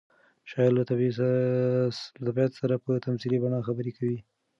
شاعر له طبیعت سره په تمثیلي بڼه خبرې کوي.